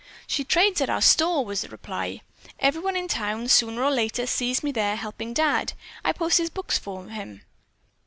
"She trades at our store," was the reply. "Everyone in town, sooner or later, sees me in there helping Dad. I post his books for him."